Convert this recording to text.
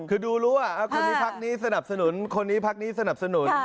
คือดูรู้ว่าคนนี้พักนี้สนับสนุนคนนี้พักนี้สนับสนุน